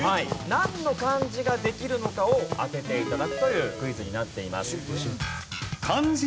なんの漢字ができるのかを当てて頂くというクイズになっています。